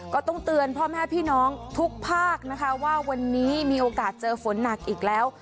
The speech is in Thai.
ก็ต้องเตือนพ่อแม่พี่น้องทุกภาคนะคะว่าวันนี้มีโอกาสเจอฝนหนักอีกแล้ว